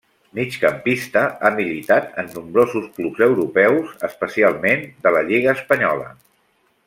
Migcampista, ha militat en nombrosos clubs europeus, especialment de la lliga espanyola.